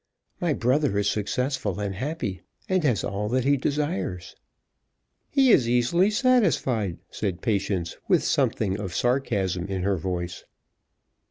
My brother is successful and happy, and has all that he desires." "He is easily satisfied," said Patience, with something of sarcasm in her voice.